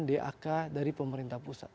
dak dari pemerintah pusat